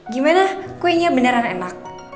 gimana kuenya beneran enak